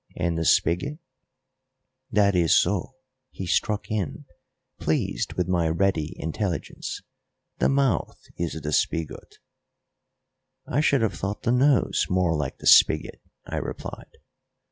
"And the spigot " "That is so," he struck in, pleased with my ready intelligence; "the mouth is the spigot." "I should have thought the nose more like the spigot," I replied.